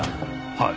はい。